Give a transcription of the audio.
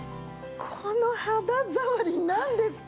この肌触りなんですか？